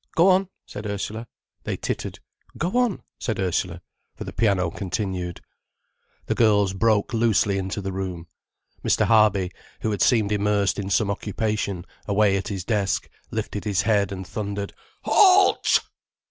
"Go on," said Ursula. They tittered. "Go on," said Ursula, for the piano continued. The girls broke loosely into the room. Mr. Harby, who had seemed immersed in some occupation, away at his desk, lifted his head and thundered: "Halt!"